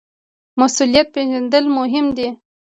مسوولیت پیژندل مهم دي